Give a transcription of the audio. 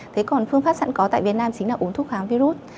thế còn phương pháp sẵn có tại việt nam chính là uống thuốc kháng virus